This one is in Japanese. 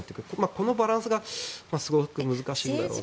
このバランスがすごく難しいだろうなと。